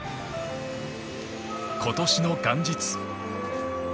今年の元日。